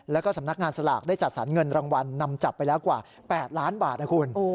แล้วก็สำนักงานสลากได้จัดสรรเงินรางวัลนำจับไปแล้วกว่า๘ล้านบาทนะคุณ